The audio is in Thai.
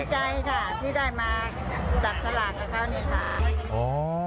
ดีใจค่ะที่ได้มาจับสลากเท่านี้ค่ะ